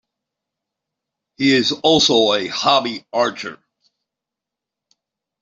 He is also a hobby archer.